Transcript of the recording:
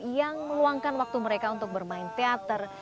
yang meluangkan waktu mereka untuk bermain teater